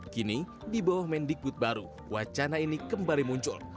kini di bawah mendikbud baru wacana ini kembali muncul